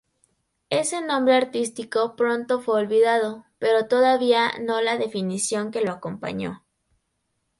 Ese nombre artístico pronto fue olvidado, pero todavía no la definición que lo acompañó.